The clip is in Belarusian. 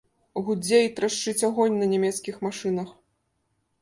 Гудзе і трашчыць агонь на нямецкіх машынах.